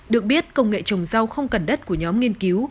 được biết công nghệ trồng rau không cần đất của nhóm nghiên cứu